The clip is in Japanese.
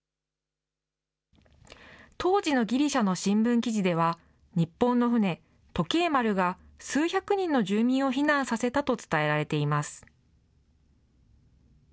当時のギリシャの新聞記事では、日本の船、ＴｏｋｅｉーＭａｒｕが数百人の住民を避難させたと伝えられています。